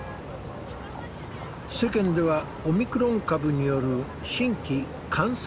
世間ではオミクロン株による新規感染者数が急増。